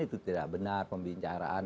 itu tidak benar pembicaraan